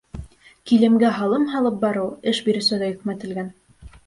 Килемгә һалым һалып барыу эш биреүсегә йөкмәтелгән.